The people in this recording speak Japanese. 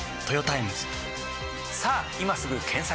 さぁ今すぐ検索！